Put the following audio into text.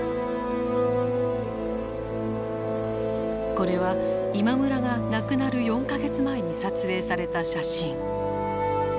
これは今村が亡くなる４か月前に撮影された写真。